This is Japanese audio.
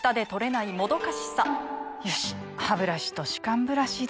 よしハブラシと歯間ブラシでと。